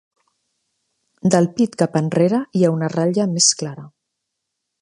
Del pit cap enrere hi ha una ratlla més clara.